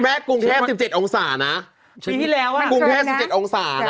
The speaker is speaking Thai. แม่กรุงแท่บสิบเจ็ดองศานะปีที่แล้วอ่ะกรุงแท่บสิบเจ็ดองศานะ